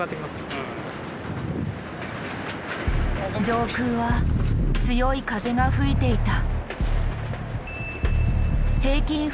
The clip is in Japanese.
上空は強い風が吹いていた。